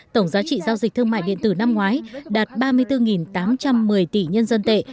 tổng giá trị giao dịch thương mại điện tử năm ngoái đạt ba mươi bốn tám trăm một mươi tỷ nhân dân tệ